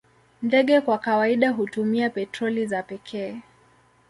Ndege kwa kawaida hutumia petroli za pekee.